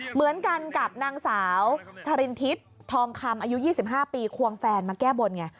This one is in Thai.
เหมือนกันกับนางสาวทารินทิพย์ทองคำอายุ๒๕ปีควงแฟนมาแก้บนไง